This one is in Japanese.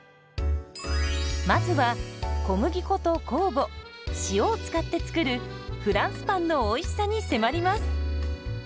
まずは小麦粉と酵母塩を使って作るフランスパンのおいしさに迫ります。